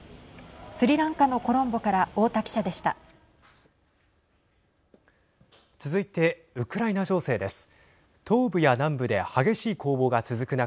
スリランカのコロンボから太田記者でした。